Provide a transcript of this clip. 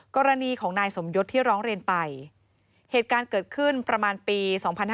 กรณีของนายสมยศที่ร้องเรียนไปเหตุการณ์เกิดขึ้นประมาณปี๒๕๕๙